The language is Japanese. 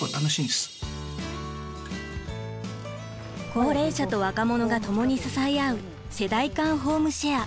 高齢者と若者がともに支え合う世代間ホームシェア。